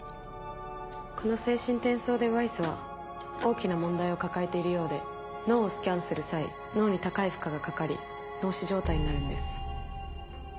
この精神転送デバイスは大きな問題を抱えているようで脳をスキャンする際脳に高い負荷がかかり脳死状態になるんです。